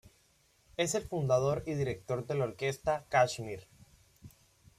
Es el fundador y director de la orquesta Kashmir.